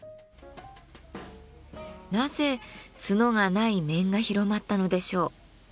なぜ角がない面が広まったのでしょう。